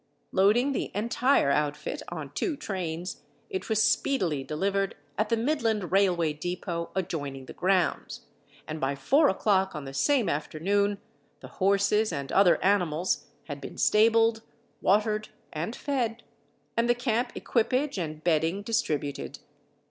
Loading the entire outfit on two trains, it was speedily delivered at the Midland Railway Depot adjoining the grounds, and by 4 o'clock on the same afternoon the horses and other animals had been stabled, watered, and fed, and the camp equipage and bedding distributed.